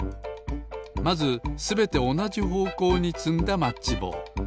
まずすべておなじほうこうにつんだマッチぼう。